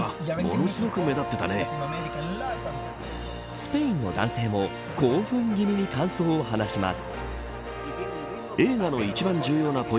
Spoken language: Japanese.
スペインの男性も興奮気味に感想を話します。